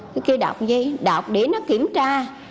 cái kia đọc gì đọc để nó kiểm tra